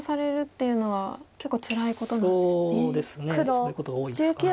そういうことが多いですかね。